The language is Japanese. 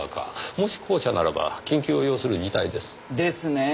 もし後者ならば緊急を要する事態です。ですね。